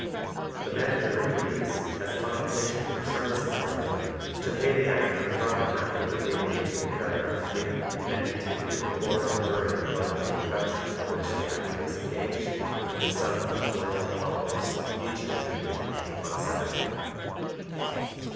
The Manager agrees, as compensation for services hereunder, to pay the Actor from and after the date named in Paragraph 3 and continuing for and during the run of the production for which the Actor is engaged, the sum of Dollars ($) each and every week (on Saturday).